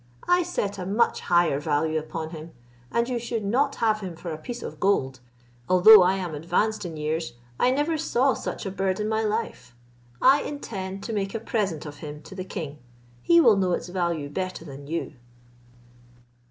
I set a much higher value upon him, and you should not have him for a piece of gold. Although I am advanced in years, I never saw such a bird in my life. I intend to make a present of him to the king; he will know its value better than you."